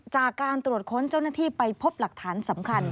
จากการตรวจค้นเจ้าหน้าที่ไปพบหลักฐานสำคัญ